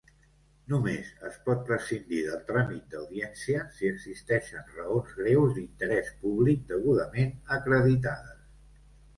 Només es pot prescindir del tràmit d'audiència si existeixen raons greus d'interès públic degudament acreditades.